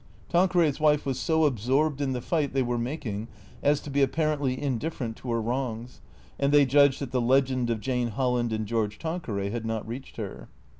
Tanqueray's wife was bo absorbed in the fight they were mak ing as to be apparently indifferent to her wrongs, and they judged that the legend of Jane Holland and George Tanqueray had not reached her.